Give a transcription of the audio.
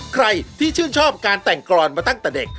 ใครที่ชื่นชอบการแต่งกรอนมาตั้งแต่เด็ก